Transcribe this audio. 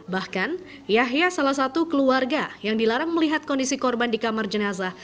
bahkan yahya salah satu keluarga yang dilarang melihat kondisi korban di kamar jenazah